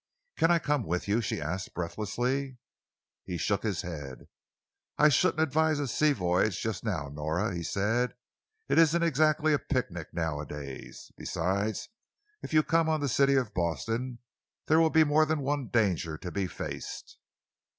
"Can I come with you?" she asked breathlessly. He shook his head. "I shouldn't advise a sea voyage just now, Nora," he said. "It isn't exactly a picnic, nowadays. Besides, if you come on the City of Boston there will be more than one danger to be faced."